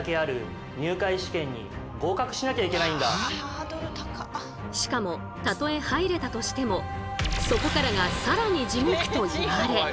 奨励会はしかもたとえ入れたとしてもそこからがさらに地獄といわれ。